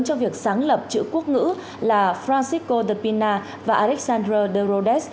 trong việc sáng lập chữ quốc ngữ là francisco de pina và alexandre de rodez